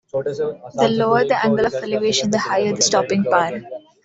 The lower the angle of elevation, the higher the stopping power.